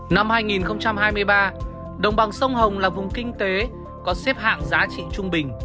năm hai nghìn hai mươi ba đồng bằng sông hồng là vùng kinh tế có xếp hạng giá trị trung bình